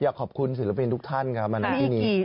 อยากขอบคุณศิลปินทุกท่านครับมานั่งที่นี้